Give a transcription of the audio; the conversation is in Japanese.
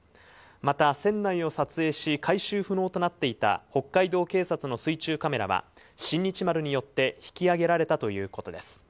また、船内を撮影し、回収不能となっていた北海道警察の水中カメラは、新日丸によって引き揚げられたということです。